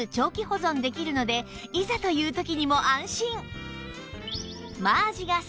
保存できるのでいざという時にも安心